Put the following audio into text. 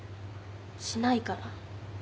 しないから。